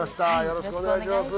よろしくお願いします。